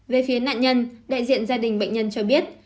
về phía nạn nhân đại diện gia đình bệnh nhân cho biết